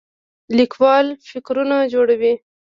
لیکوال فکرونه جوړوي